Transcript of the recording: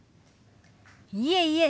いえいえ。